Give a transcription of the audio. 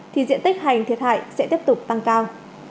thì diện tích hành thiệt hại sẽ tiếp tục tăng cao